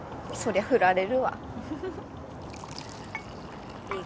そりゃ振られるわ。